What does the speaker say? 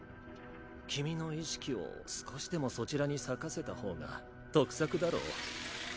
君の意識を少しでもそちらに割かせた方が得策だろう。